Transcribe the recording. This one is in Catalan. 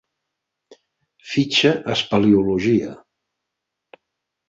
Fitxa espeleologia.